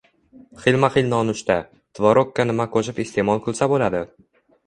Xilma-xil nonushta: Tvorogga nima qo‘shib iste’mol qilsa bo‘ladi?